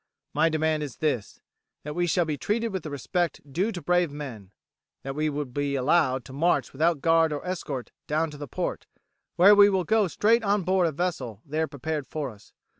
My demand is this, that we shall be treated with the respect due to brave men, that we be allowed to march without guard or escort down to the port, where we will go straight on board a vessel there prepared for us.